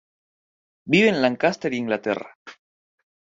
Vive en Lancaster, Inglaterra.